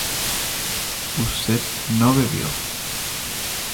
usted no bebió